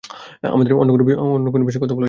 আমাদের অন্য কোনো বিষয়ে কথা বলা উচিৎ।